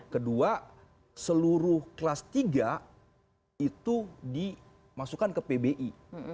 kedua seluruh kelas tiga itu dimasukkan ke pbi